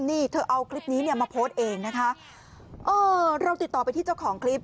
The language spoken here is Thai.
นี่เธอเอาคลิปนี้เนี่ยมาโพสต์เองนะคะเออเราติดต่อไปที่เจ้าของคลิป